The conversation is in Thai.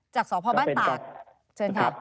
จากสพบันตร์ตากเชิญครับ